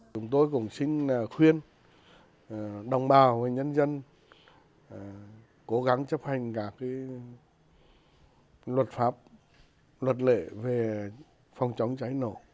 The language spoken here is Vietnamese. chúng tôi cũng xin khuyên đồng bào và nhân dân cố gắng chấp hành các luật pháp luật lệ về phòng chống cháy nổ